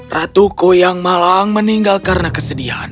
ratuku yang malang meninggal karena kesedihan